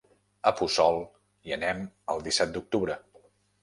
A Puçol hi anem el disset d'octubre.